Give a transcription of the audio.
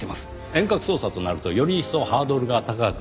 遠隔操作となるとより一層ハードルが高くなる。